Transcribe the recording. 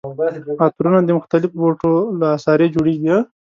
عطرونه د مختلفو بوټو له عصارې جوړیږي.